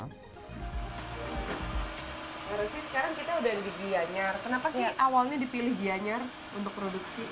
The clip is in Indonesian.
harusnya sekarang kita udah di gianyar kenapa sih awalnya dipilih gianyar untuk produksi